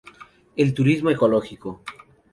El turismo ecológico.